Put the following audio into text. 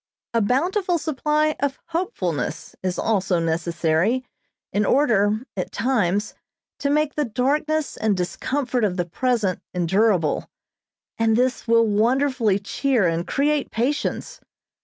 A bountiful supply of hopefulness is also necessary, in order, at times, to make the darkness and discomfort of the present endurable, and this will wonderfully cheer and create patience.